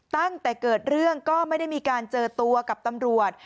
ตั้งแต่เกิดเรื่องก็ไม่ได้มีการเจอตัวกับตำรวจ